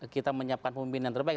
kita menyiapkan pemimpin yang terbaik